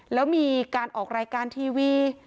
แล้วมีการออกรายการทีวี